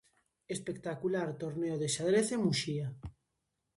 Espectacular torneo de xadrez en Muxía.